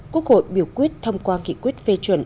quốc hội biểu quyết thông qua nghị quyết phê chuẩn